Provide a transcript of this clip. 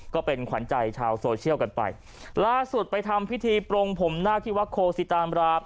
ก็เป็นขวัญใจชาวโซเชียลกันไปล่าสุดไปทำพิธีปรงผมหน้าที่วัดโคสิตามราม